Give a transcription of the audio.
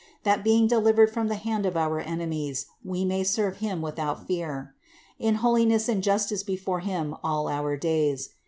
That being delivered from the hand of our enemies, we may serve him without fear, 75. In holiness and justice before him, all our days.